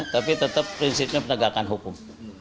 tapi tetap prinsipnya penegakan hukum